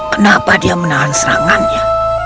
kenapa dia menahan serangannya